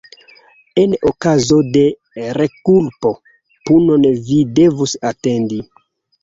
En okazo de rekulpo, punon vi devus atendi.